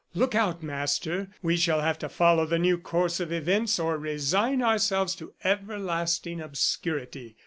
Look out, master! ... We shall have to follow the new course of events or resign ourselves to everlasting obscurity.